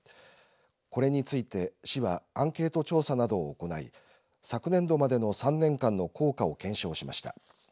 これについて市はアンケート調査などを行い昨年度までの３年間の効果を検証しました。